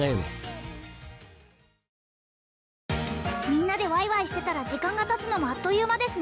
みんなでワイワイしてたら時間がたつのもあっという間です